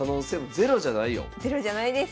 ゼロじゃないです。